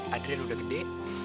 adrian udah gede